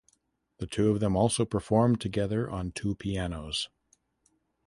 The two of them also performed together on two pianos.